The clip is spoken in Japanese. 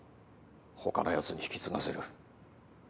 他の奴に引き継がせる。